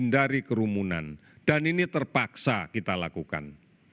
dan ini terpaksa kita lakukan